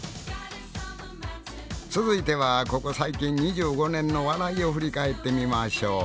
続いてはここ最近２５年の笑いを振り返ってみましょう。